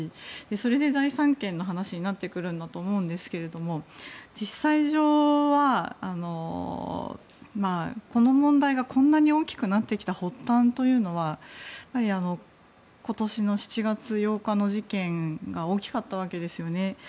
それで財産権の話になってくるんだと思うんですけど実際上は、この問題がこんなに大きくなってきた発端というのは今年の７月８日の事件が大きかったわけですよね。